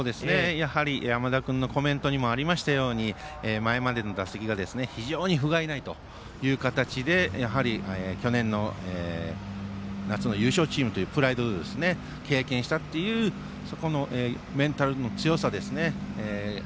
山田君のコメントにもありましたが前までの打席が非常にふがいないという形でやはり去年の夏の優勝チームというプライドで経験したというそこのメンタルの強さですね。